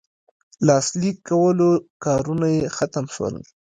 لاسلیک کولو کارونه یې ختم سول.